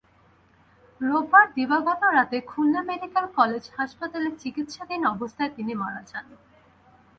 রোববার দিবাগত রাতে খুলনা মেডিকেল কলেজ হাসপাতালে চিকিৎসাধীন অবস্থায় তিনি মারা যান।